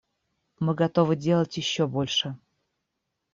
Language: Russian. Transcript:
Мы готовы делать еще больше.